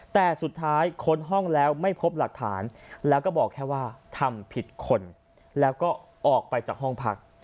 แต่สุดท้ายค้นห้องแล้วไม่พบหลักฐานแล้วก็บอกแค่ว่าทำผิดคนแล้วก็ออกไปจากห้องพัก